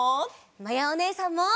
まやおねえさんも。